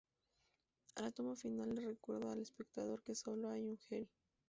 La toma final le recuerda al espectador que solo hay un Geri.